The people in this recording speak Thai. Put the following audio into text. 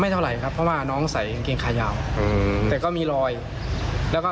แม้แต่ช่างมิติยังถือเลย